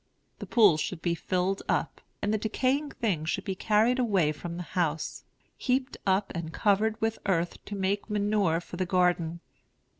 The pools should be filled up, and the decaying things should be carried away from the house, heaped up and covered with earth to make manure for the garden.